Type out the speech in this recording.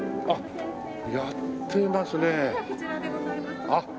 あっやってますねえ。